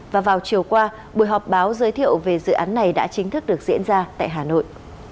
và vào chiều qua buổi họp báo giới thiệu về dự án này đã chính thức được diễn ra tại hà nội